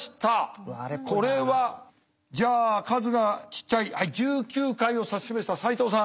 これはじゃあ数がちっちゃい１９回を指し示した斎藤さん。